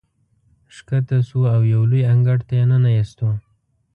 ښکته شوو او یو لوی انګړ ته یې ننه ایستو.